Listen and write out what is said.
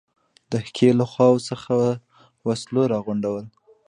د ښکېلو خواوو څخه وسلو را غونډول.